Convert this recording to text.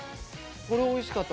これおいしかった。